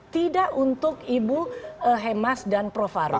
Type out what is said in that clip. tidak untuk ibu hemas dan prof farou